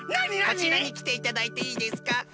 こちらにきていただいていいですか？